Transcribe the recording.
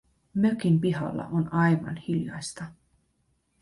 Mökin pihalla on aivan hiljaista.